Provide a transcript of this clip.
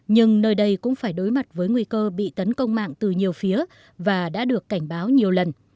nhưng nơi đây cũng phải đối mặt với nguy cơ bị tấn công mạng từ nhiều phía và đã được cảnh báo nhiều lần